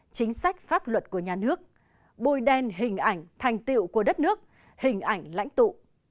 chính sách pháp luật của nhà nước bôi đen hình ảnh thành tiệu của đất nước hình ảnh lãnh tụ